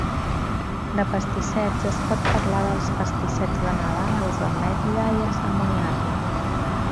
De pastissets es pot parlar dels pastissets de Nadal, els d'ametlla, i els de moniato.